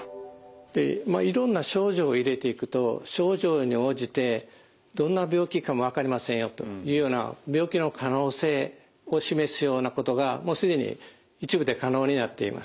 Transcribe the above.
いろんな症状を入れていくと症状に応じてどんな病気かも分かりませんよというような病気の可能性を示すようなことがもう既に一部で可能になっています。